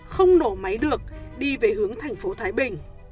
không nổ máy được đi về hướng thành phố thái bình